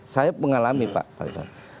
saya mengalami pak pak lisman